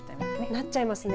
なっちゃいますね。